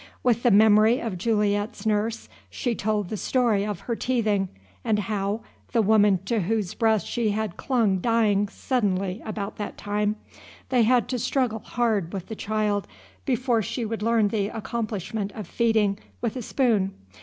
With the memory of Juliet's nurse she told the story of her teething, and how, the woman to whose breast she had clung dying suddenly about that time, they had to struggle hard with the child before she would learn the accomplishment of feeding with a spoon.